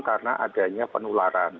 karena adanya penularan